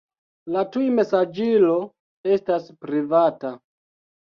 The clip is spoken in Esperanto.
La tujmesaĝilo estas privata.